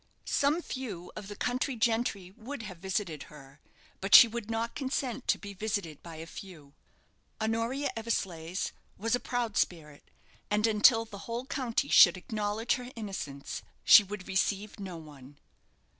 Some few of the county gentry would have visited her; but she would not consent to be visited by a few. Honoria Eversleigh's was a proud spirit; and until the whole county should acknowledge her innocence, she would receive no one.